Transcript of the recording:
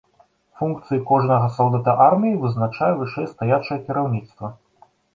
Функцыі кожнага салдата арміі вызначае вышэйстаячае кіраўніцтва.